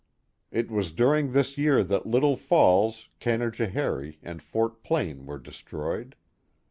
It was during this year that Little Falls, Canajo harie, and Fort Plain were destroyed.